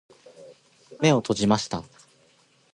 目を閉じました。